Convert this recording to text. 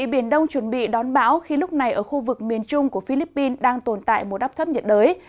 biển đông chuẩn bị đón bão khi lúc này ở khu vực miền trung của philippines đang tồn tại một áp thấp nhiệt đới